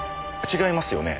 違いますよね？